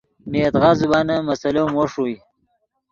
نے یدغا زبانن مسئلو مو ݰوئے